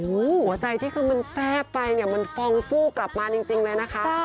หัวใจที่มันแฟ่บไปมันฟองปู้กลับมาจริงเลยนะคะ